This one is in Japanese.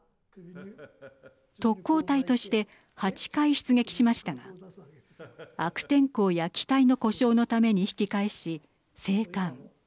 特攻隊として８回出撃しましたが悪天候や機体の故障のために引き返し、生還。